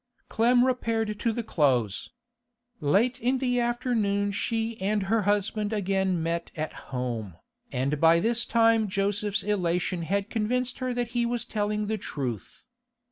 Clem repaired to the Close. Late in the afternoon she and her husband again met at home, and by this time Joseph's elation had convinced her that he was telling the truth.